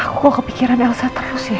aku kepikiran elsa terus ya